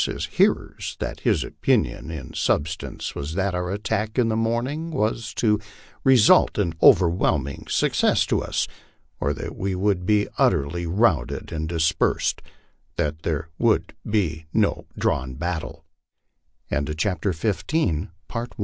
his hearers that his opinion in substance was that our attack in the morning was to result in overwhelming success to us, or that we would be utterly routed and dispersed that there would be no drawn ba